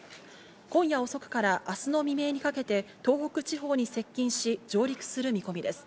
今夜遅くから明日の未明にかけて東北地方に接近し、上陸する見込みです。